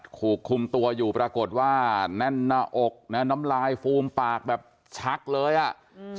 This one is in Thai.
ถูกคุมตัวอยู่ปรากฏว่าแน่นหน้าอกนะน้ำลายฟูมปากแบบชักเลยอ่ะอืม